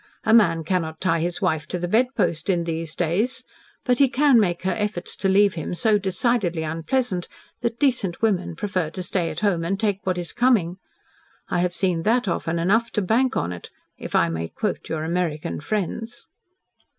A man cannot tie his wife to the bedpost in these days, but he can make her efforts to leave him so decidedly unpleasant that decent women prefer to stay at home and take what is coming. I have seen that often enough 'to bank on it,' if I may quote your American friends."